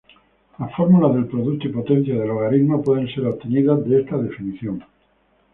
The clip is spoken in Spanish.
Las fórmulas del producto y potencias de logaritmo pueden ser obtenidas de esta definición.